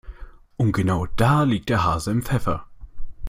Und genau da liegt der Hase im Pfeffer.